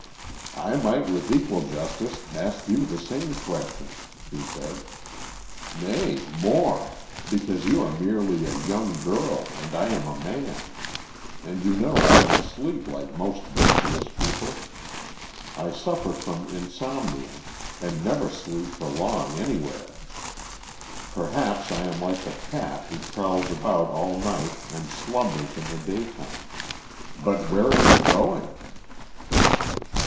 "I might with equal justice ask you the same question," he said. "Nay, more; because you are merely a young girl and I am a man. And you know I don't sleep like most virtuous people. I suffer from insomnia and never sleep for long anywhere. Perhaps I am like the cat who prowls about all night and slumbers in the daytime. But where are you going?"